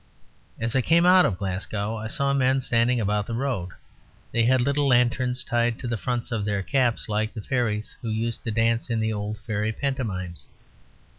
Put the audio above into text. As I came out of Glasgow I saw men standing about the road. They had little lanterns tied to the fronts of their caps, like the fairies who used to dance in the old fairy pantomimes.